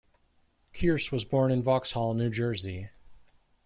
Kearse was born in Vauxhall, New Jersey.